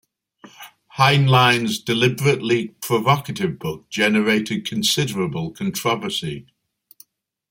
Heinlein's deliberately provocative book generated considerable controversy.